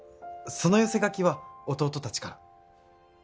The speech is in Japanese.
その寄せ書きは弟たちから。